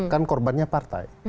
kan korbannya partai